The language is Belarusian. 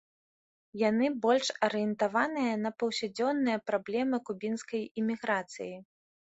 Яны больш арыентаваныя на паўсядзённыя праблемы кубінскай іміграцыі.